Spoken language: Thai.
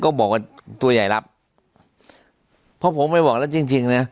ก็บอกว่าตัวใหญ่รับเพราะผมไม่บอกแล้วจริงจริงนะ